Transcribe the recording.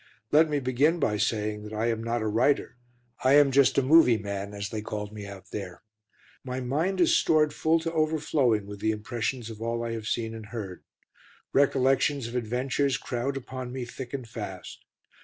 Let me begin by saying that I am not a writer, I am just a "movie man," as they called me out there. My mind is stored full to overflowing with the impressions of all I have seen and heard; recollections of adventures crowd upon me thick and fast.